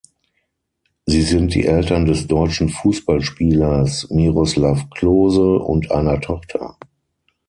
Sie sind die Eltern des deutschen Fußballspielers Miroslav Klose und einer Tochter.